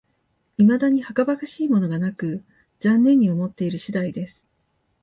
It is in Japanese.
いまだにはかばかしいものがなく、残念に思っている次第です